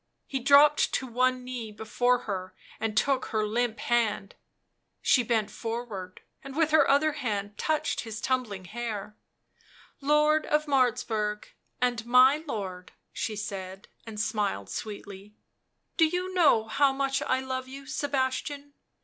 He dropped to one knee before her, and took her limp hand. She bent forward, and with her other hand touched his tumbled hair. u Lord of Martzburg and my lord , 77 she said, and smiled sweetly. " Do you know how much I love you, Sebastian?